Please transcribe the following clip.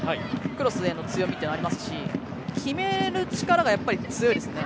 クロスでの強みというのはありますし決める力がやっぱり強いですよね。